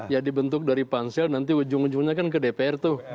ya dibentuk dari pansel nanti ujung ujungnya kan ke dpr tuh